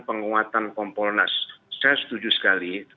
penguatan kompolnas saya setuju sekali